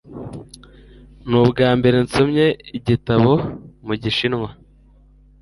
Ni ubwambere nsomye igitabo mu Gishinwa.